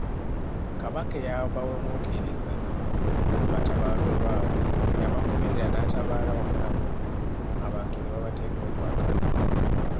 Kabaka eyabawemuukiriza batabaale olwabwe, yabagoberera n'atabaala wamu nabo, abantu ne babatenda okwagalwa.